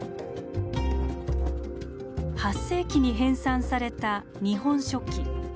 ８世紀に編纂された「日本書紀」。